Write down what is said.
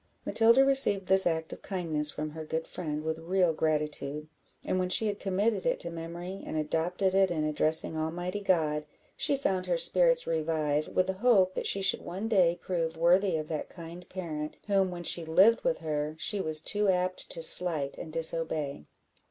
Matilda received this act of kindness from her good friend with real gratitude; and when she had committed it to memory, and adopted it in addressing Almighty God, she found her spirits revive, with the hope that she should one day prove worthy of that kind parent, whom, when she lived with her, she was too apt to slight and disobey.